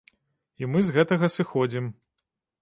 І мы з гэтага сыходзім.